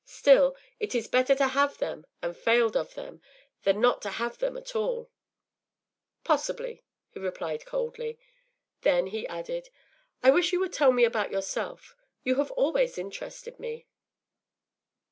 Still, it is better to have had them, and failed of them, than not to have had them at all.” “Possibly,” he replied, coldly. Then he added, “I wish you would tell me about yourself. You have always interested me.